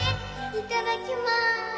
いただきます。